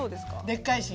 でっかいし。